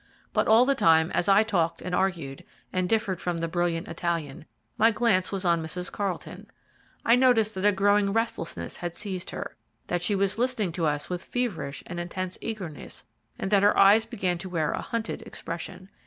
But all the time, as I talked and argued, and differed from the brilliant Italian, my glance was on Mrs. Carlton. I noticed that a growing restlessness had seized her, that she was listening to us with feverish and intense eagerness, and that her eyes began to wear a hunted expression.